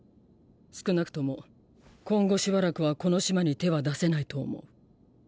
少なくとも今後しばらくはこの島に手は出せないと思う。